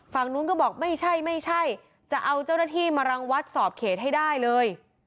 ฝั่งนู้นก็บอกไม่ใช่ไม่ใช่จะเอาเจ้าหน้าที่มารังวัดสอบเขตให้ได้เลย